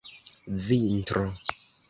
vintro